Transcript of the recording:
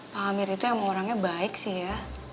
pak amir itu emang orangnya baik sih ya